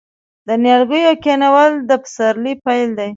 د نیالګیو کینول د پسرلي پیل دی.